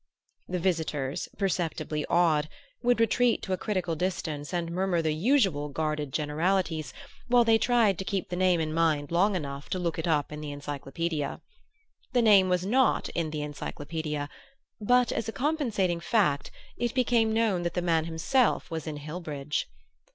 The visitors, perceptibly awed, would retreat to a critical distance and murmur the usual guarded generalities, while they tried to keep the name in mind long enough to look it up in the Encyclopædia. The name was not in the Encyclopædia; but, as a compensating fact, it became known that the man himself was in Hillbridge.